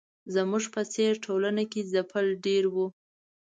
زموږ په څېر ټولنه کې ځپل ډېر وو.